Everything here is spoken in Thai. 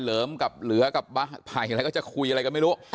เหลือกับเหลือกับไพ่อะไรก็จะคุยอะไรก็ไม่รู้